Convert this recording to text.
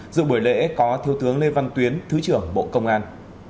dự buổi lễ có thiếu tướng lê văn tuyến thứ trưởng bộ công an